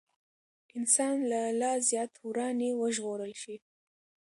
انسان له لا زيات وراني وژغورل شي.